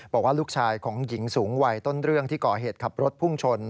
บอกว่าลูกชายของหญิงสูงวัยต้นเรื่องที่ก่อเหตุขับรถพุ่งชน